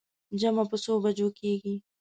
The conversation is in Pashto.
جمعه په څو بجو کېږي.